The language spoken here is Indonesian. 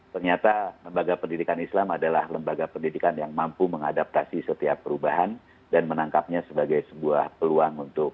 ternyata lembaga pendidikan islam adalah lembaga pendidikan yang mampu mengadaptasi setiap perubahan dan menangkapnya sebagai sebuah peluang untuk